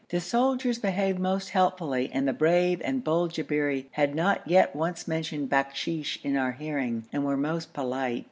The soldiers behaved most helpfully and the brave and bold Jabberi had not yet once mentioned bakshish in our hearing and were most polite.